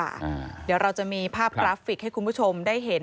เดี๋ยวเราจะมีภาพกราฟิกให้คุณผู้ชมได้เห็น